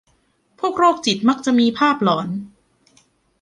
พวกโรคจิตมักจะมีภาพหลอน